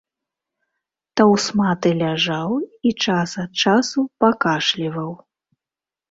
Таўсматы ляжаў і час ад часу пакашліваў.